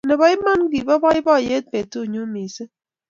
Nebo iman kibo boiboyet betunyu mising